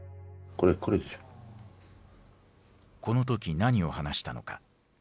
この時何を話したのか。